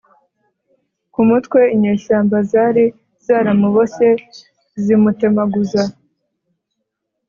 Ku mutwe inyeshyamba zari zaramuboshye zimutemaguza